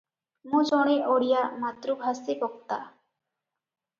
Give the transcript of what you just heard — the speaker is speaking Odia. ମୁଁ ଜଣେ ଓଡ଼ିଆ ମାତୃଭାଷୀ ବକ୍ତା ।